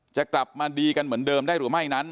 จะกลับมาดีกันเหมือนเดิมได้หรือไม่นั้น